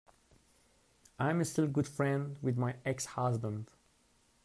I'm still good friends with my ex-husband.